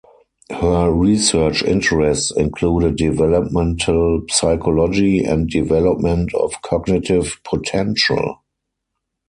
Her research interests included developmental psychology and development of cognitive potential.